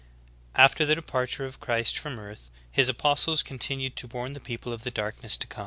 "« 27. After the departure of Christ from earth His apos tles continued to warn the people of the darkness to come.